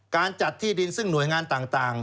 การจัดที่ดินซึ่งหน่วยงานต่าง